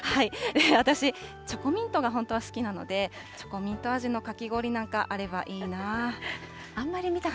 私、チョコミントが本当は好きなので、チョコミント味のかき氷なんかあればいいな。